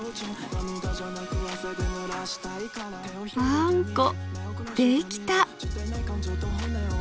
あんこできた！